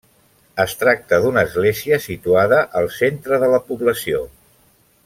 Es tracta d'una església, situada al centre de la població.